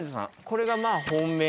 これがまあ本命。